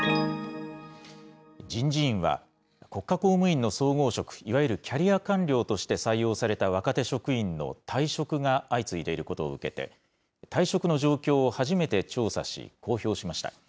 人事院は、国家公務員の総合職、いわゆるキャリア官僚として採用された若手職員の退職が相次いでいることを受けて、退職の状況を初めて調査し、公表しました。